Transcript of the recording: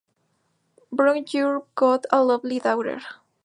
Brown You've Got a Lovely Daughter".